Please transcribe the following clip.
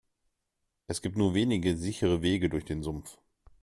Es gibt nur wenige sichere Wege durch den Sumpf.